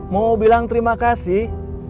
mau bilang terima kasih